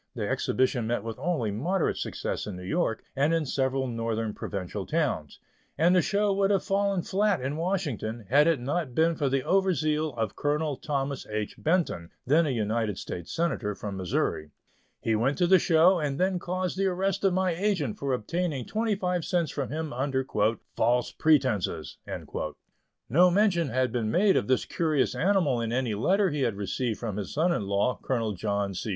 The exhibition met with only moderate success in New York, and in several Northern provincial towns, and the show would have fallen flat in Washington, had it not been for the over zeal of Colonel Thomas H. Benton, then a United States Senator from Missouri. He went to the show, and then caused the arrest of my agent for obtaining twenty five cents from him under "false pretences." No mention had been made of this curious animal in any letter he had received from his son in law, Colonel John C.